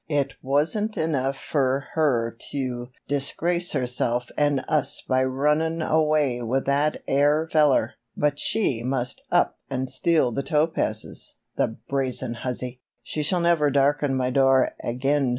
"It wasn't enough fer her tew disgrace herself an' us by runnin' away with that air feller, but she must up an' steal the topazes, the brazen hussy! She shall never darken my door ag'in!